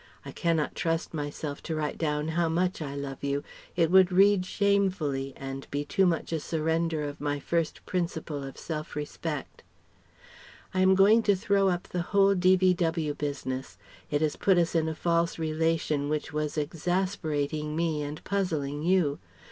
I cannot trust myself to write down how much I love you: it would read shamefully and be too much a surrender of my first principle of self respect. "I am going to throw up the whole D.V.W. business. It has put us in a false relation which was exasperating me and puzzling you.